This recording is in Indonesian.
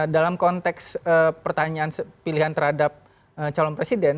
dalam konteks pertanyaan pilihan terhadap calon presiden